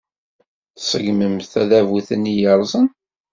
Tṣeggmemt tadabut-nni yerrẓen.